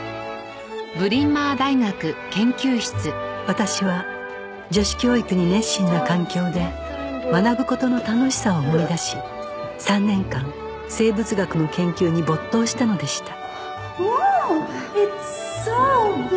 私は女子教育に熱心な環境で学ぶ事の楽しさを思い出し３年間生物学の研究に没頭したのでした